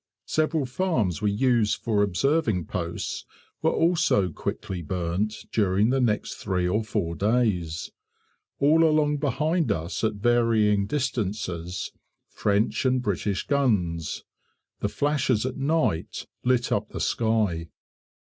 Several farms we used for observing posts were also quickly burnt during the next three or four days. All along behind us at varying distances French and British guns; the flashes at night lit up the sky.